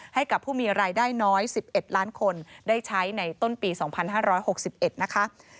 ให้กับผู้มีรายได้น้อย๑๑ล้านคนได้ใช้ในต้นปี๒๕๖๑นะคะ